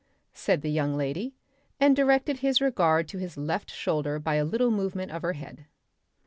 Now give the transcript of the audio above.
said the young lady, and directed his regard to his left shoulder by a little movement of her head.